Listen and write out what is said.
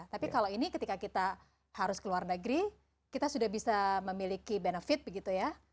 tapi kalau ini ketika kita harus ke luar negeri kita sudah bisa memiliki benefit begitu ya